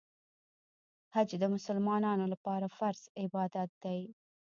حج د مسلمانانو لپاره فرض عبادت دی.